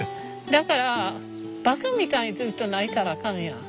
だから馬鹿みたいにずっと泣いたらあかんやん。